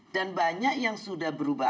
dan banyak yang sudah berubah